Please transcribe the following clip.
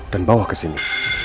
dan bawa kesini